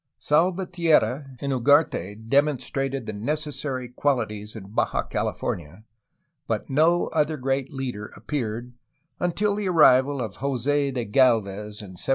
Salvatierra and Ugarte demonstrated the necessary qualities in Baja California, but no other great leader appeared until the arrival of Jos6 de Gdlvez in 1765.